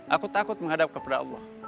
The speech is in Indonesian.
aku takut menghadap kepada allah